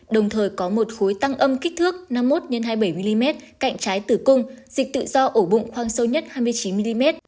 đồng thời có một khối tăng âm kích thước năm mươi một x hai mươi bảy mm cạnh trái tử cung dịch tự do ổ bụng hoang sâu nhất hai mươi chín mm